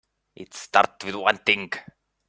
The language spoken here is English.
It start with one thing.